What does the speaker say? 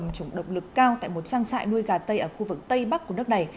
pháp đã cầm chủng độc lực cao tại một trang trại nuôi gà tây ở khu vực tây bắc của nước này